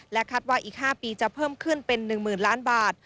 คาดว่าอีก๕ปีจะเพิ่มขึ้นเป็น๑๐๐๐ล้านบาท